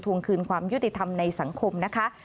วงคืนความยุติธรรมในสังคมนะคะ